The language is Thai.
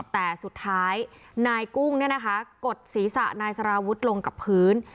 แต่สุดท้ายนายกุ้งกดศีรษะนายสารวุฒิลงกับพื้น